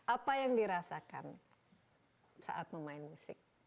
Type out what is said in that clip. apa yang dirasakan saat memain musik